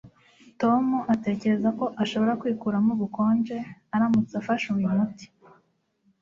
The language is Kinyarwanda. Tom atekereza ko ashobora kwikuramo ubukonje aramutse afashe uyu muti